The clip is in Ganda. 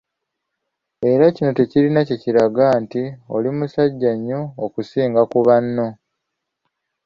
Era kino tekirina kye kiraga nti oli "musajja nnyo" okusinga ku banno.